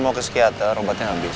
mau ke psikiater obatnya habis